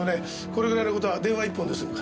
これぐらいの事は電話一本で済むから。